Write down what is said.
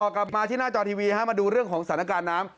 กลับมาที่หน้าจอทีวีมาดูเรื่องของสถานการณ์น้ำ